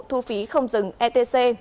thu phí không dừng etc